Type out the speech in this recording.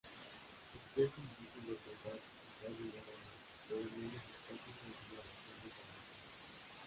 Especie difícil de encontrar y quizá vulnerable pero menos escasa en algunas regiones adyacentes.